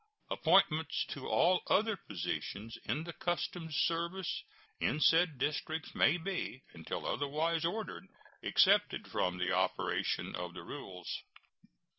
Appointments to all other positions in the customs service in said districts may be, until otherwise ordered, excepted from the operation of the rules.